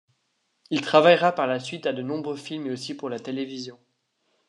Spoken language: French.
Il travaillera par la suite à de nombreux films et aussi pour la télévision.